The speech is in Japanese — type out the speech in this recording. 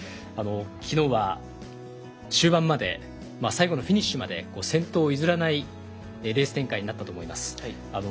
きのうは終盤まで最後のフィニッシュまで先頭を譲らないレース展開になったと思います。